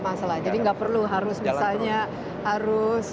tidak masalah jadi tidak perlu harus misalnya harus